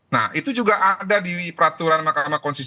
nah itu juga ada di peraturan mahkamah konstitusi